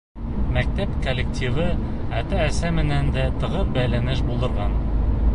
Мәктәп коллективы ата-әсә менән дә тығыҙ бәйләнеш булдырған.